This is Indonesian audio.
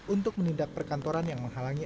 untuk menindak perkantoran yang menghalangi